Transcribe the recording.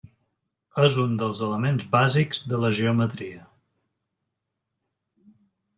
És un dels elements bàsics de la geometria.